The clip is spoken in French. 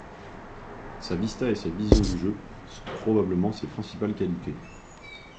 Sa vista et sa vision du jeu sont probablement ses principales qualités.